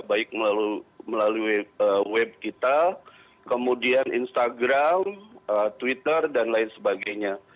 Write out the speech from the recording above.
baik melalui web kita kemudian instagram twitter dan lain sebagainya